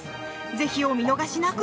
ぜひお見逃しなく！